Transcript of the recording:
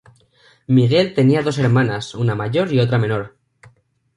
Miguel tenía dos hermanas, una mayor y otra menor.